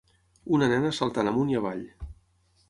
Una nena saltant amunt i avall.